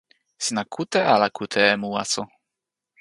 sina kute ala kute e mu waso?